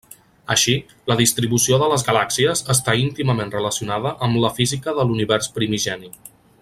Així, la distribució de les galàxies està íntimament relacionada amb la física de l'univers primigeni.